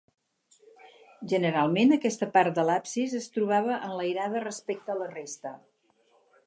Generalment aquesta part de l'absis es trobava enlairada respecte a la resta.